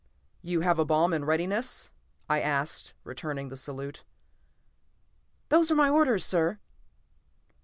"You have a bomb in readiness?" I asked, returning the salute. "Those were my orders, sir."